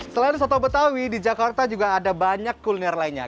selain soto betawi di jakarta juga ada banyak kuliner lainnya